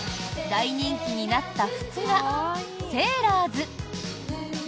大人気になった服がセーラーズ。